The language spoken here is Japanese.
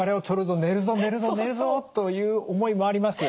寝るぞ寝るぞ寝るぞ」という思いもあります。